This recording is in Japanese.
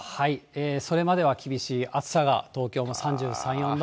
それまでは厳しい暑さが東京も３３、４度。